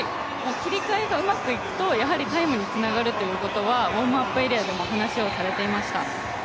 切り替えがうまくいくと、タイムにつながるということはウォームアップエリアでも話をされていました。